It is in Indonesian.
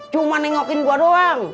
cuma nengokin gua doang